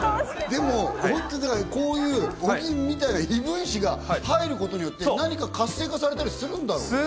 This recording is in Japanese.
でもこういう小木みたいな異分子が入ることによって何か活性化されたりするんだろうね